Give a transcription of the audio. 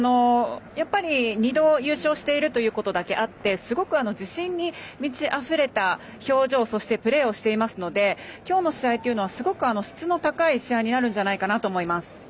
やっぱり２度優勝しているだけあってすごく自信に満ちあふれた表情そして、プレーをしていますので今日の試合はすごく質の高い試合になると思います。